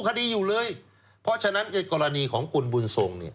คดีอยู่เลยเพราะฉะนั้นกรณีของคุณบุญทรงเนี่ย